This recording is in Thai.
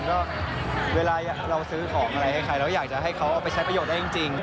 ก็เวลาเราซื้อของอะไรให้ใครเราอยากจะให้เขาเอาไปใช้ประโยชนได้จริง